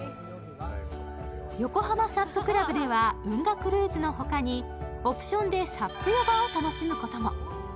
横浜ＳＵＰ倶楽部では運河クルーズのほかに、オプションでＳＵＰヨガを楽しむことも。